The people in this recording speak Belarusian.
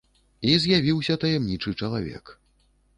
І з'явіўся таямнічы чалавек.